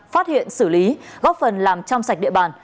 phát hiện xử lý góp phần làm trong sạch địa bàn